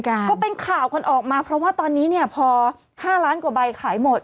ก็เป็นข่าวกันออกมาเพราะว่าตอนนี้เนี่ยพอห้าล้านกว่าใบขายหมด